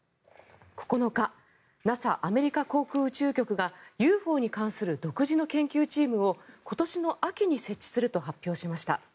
９日ＮＡＳＡ・アメリカ航空宇宙局がＵＦＯに関する独自の研究チームを今年の秋に設置すると発表しました。